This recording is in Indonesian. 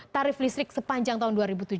tarif listrik sepanjang tahun dua ribu tujuh belas